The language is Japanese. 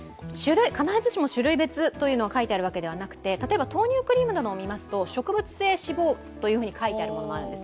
必ずしも種類別と書いてあるわけではなくて例えば、豆乳クリームなどを見ますと植物性脂肪と書いてあったりします。